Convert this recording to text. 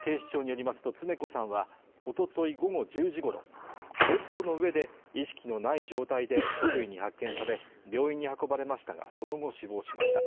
警視庁によりますと常子さんはおととい午後１０時ごろ、ベッドの上で意識のない状態で、職員に発見され、病院に運ばれましたがその後死亡しました。